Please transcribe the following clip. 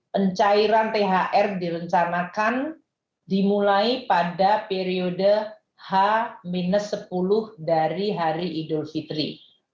pencairan thr direncanakan dimulai pada periode h sepuluh dari hari idul fitri